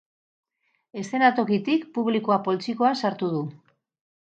Eszenatokitik publikoa poltsikoan sartu du.